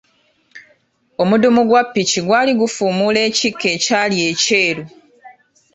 Omudumu gwa ppiki gwali gufuumuula ekikka ekyali ekyeru.